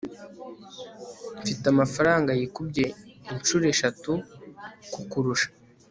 mfite amafaranga yikubye inshuro eshatu kukurusha